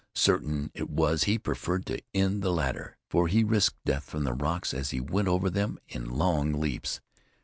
Certain it was he preferred to end the latter, for he risked death from the rocks as he went over them in long leaps.